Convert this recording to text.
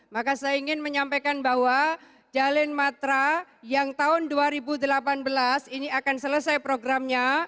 maka saya ingin menyampaikan bahwa jalin matra yang tahun dua ribu delapan belas ini akan selesai programnya